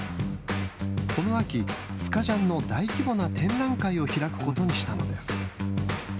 この秋、スカジャンの大規模な展覧会を開くことにしたのです。